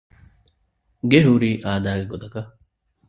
ގެ ހުރީ އާދައިގެ ގޮތަކަށް